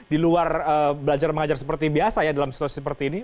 di luar belajar mengajar seperti biasa ya dalam situasi seperti ini